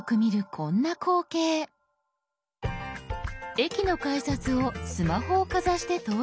駅の改札をスマホをかざして通り抜ける。